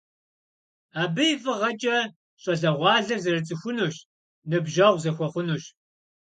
Абы и фӀыгъэкӀэ щӀалэгъуалэр зэрыцӀыхунущ, ныбжьэгъу зэхуэхъунущ.